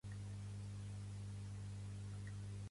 Cecília, Nadal, Dijous llarder i Pasqua